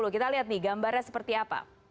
kita lihat nih gambarnya seperti apa